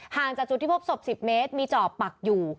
จากจุดที่พบศพ๑๐เมตรมีจอบปักอยู่